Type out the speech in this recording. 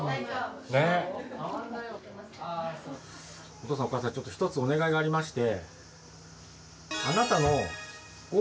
お父さんお母さん一つお願いがありまして。